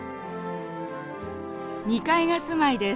２階が住まいです。